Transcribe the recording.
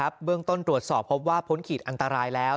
เบื้องต้นตรวจสอบพบว่าพ้นขีดอันตรายแล้ว